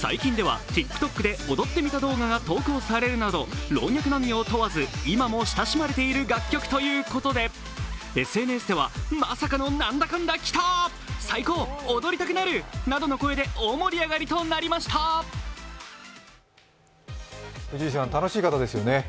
最近ではＴｉｋＴｏｋで踊ってみた動画が投稿されるなど老若男女を問わず今も親しまれている楽曲ということで、ＳＮＳでは大盛り上がりとなりました藤井さん、楽しい方ですよね